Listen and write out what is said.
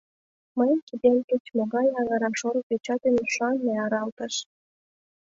Мыйын кидем кеч-могай аҥыра шорык дечат эн ӱшанле аралтыш...